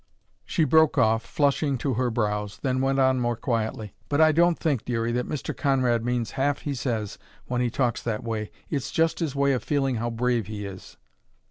She broke off, flushing to her brows, then went on more quietly: "But I don't think, Dearie, that Mr. Conrad means half he says when he talks that way; it's just his way of feeling how brave he is."